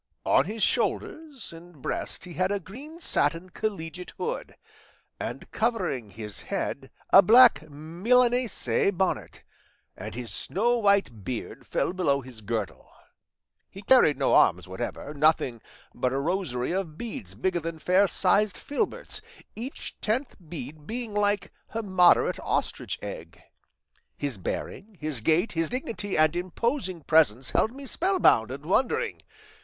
On his shoulders and breast he had a green satin collegiate hood, and covering his head a black Milanese bonnet, and his snow white beard fell below his girdle. He carried no arms whatever, nothing but a rosary of beads bigger than fair sized filberts, each tenth bead being like a moderate ostrich egg; his bearing, his gait, his dignity and imposing presence held me spellbound and wondering.